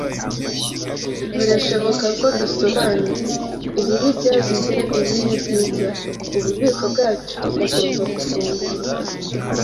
birashoboka ko dusobanutse. Ibibi byagize ibihe byiza; ububiko bwacu bugomba gufungurwa.